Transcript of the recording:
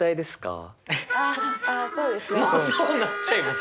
もうそうなっちゃいます！？